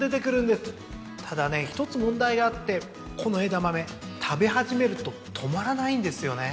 ただね一つ問題があってこのエダマメ食べ始めると止まらないんですよね。